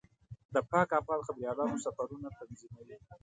د پاک افغان خبریالانو سفرونه تنظیموي.